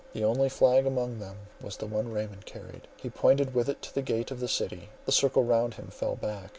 The only flag among them was one which Raymond carried; he pointed with it to the gate of the city. The circle round him fell back.